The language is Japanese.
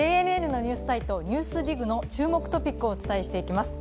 ＪＮＮのニュースサイト「ＮＥＷＳＤＩＧ」の注目トピックをお伝えしていきます。